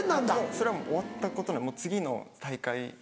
それは終わったことでもう次の大会に。